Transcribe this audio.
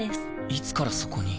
いつからそこに？